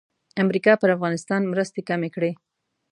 امریکا پر افغانستان مرستې کمې کړې.